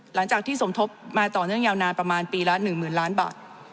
หลังจากที่สมทบมาต่อเนื่องยาวนานประมาณปีละ๑๐๐๐ล้านบาท